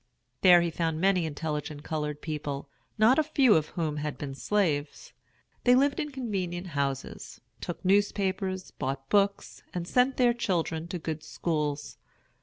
There he found many intelligent colored people, not a few of whom had been slaves. They lived in convenient houses, took newspapers, bought books, and sent their children to good schools.